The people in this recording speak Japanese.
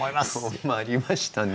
困りましたね